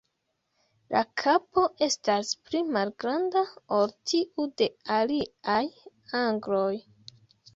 La kapo estas pli malgranda ol tiu de aliaj agloj.